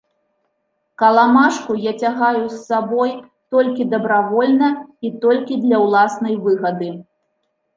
Каламажку я цягаю з сабой толькі дабравольна і толькі для ўласнай выгады.